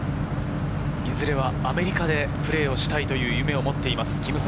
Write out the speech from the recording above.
いずれはアメリカでプレーをしたいという夢をもっています。